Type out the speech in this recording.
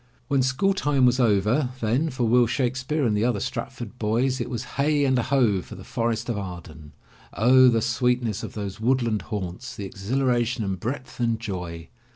When school time was over, then for Will Shakespeare and the other Stratford boys it was Heigh and a Ho! for the Forest of Arden. O, the sweetness of those woodland haunts, the exhilaration and breadth and joy!